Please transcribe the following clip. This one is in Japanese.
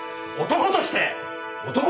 男として！？